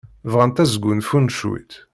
Bɣant ad sgunfunt cwiṭ.